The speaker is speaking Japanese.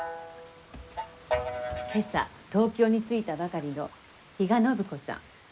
今朝東京に着いたばかりの比嘉暢子さん。